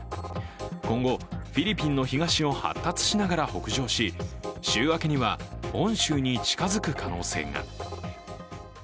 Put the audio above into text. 今後、フィリピンの東を発達しながら北上し、週明けには本州に近づく可能性が。